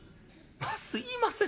「まあすいません。